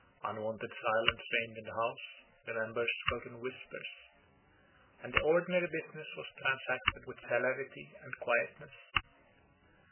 Unwonted silence reigned in the house, the members spoke in whispers, and the ordinary business was transacted with celerity and quietness.